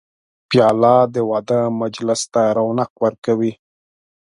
پیاله د واده مجلس ته رونق ورکوي.